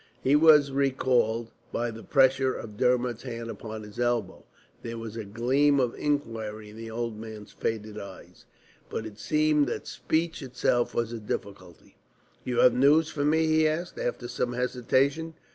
He was recalled by the pressure of Dermod's hand upon his elbow. There was a gleam of inquiry in the old man's faded eyes, but it seemed that speech itself was a difficulty. "You have news for me?" he asked, after some hesitation.